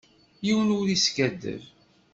Yiwen ur iskadeb.